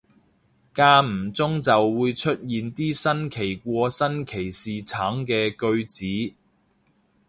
間唔中就會出現啲新奇過新奇士橙嘅句子